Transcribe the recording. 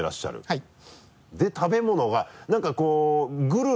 はい。